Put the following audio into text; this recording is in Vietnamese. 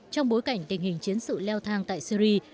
trong bối cảnh tình hình chiến sự leo thang tại syri